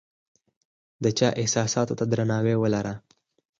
د چا و احساساتو ته درناوی ولره !